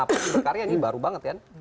apalagi berkarya ini baru banget kan